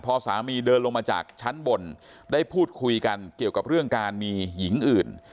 พอสามีเดินลงมาจากชั้นบนได้พูดคุยกันเกี่ยวกับเรื่องการมีหญิงอื่น